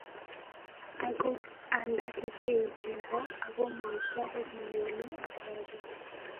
Akut anda kikiu chego ako mwaita kokinyolu atoret.